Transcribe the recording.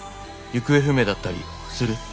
行方不明だったりする？」。